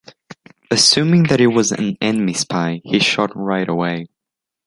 Assuming that it was an enemy spy, he shot right away.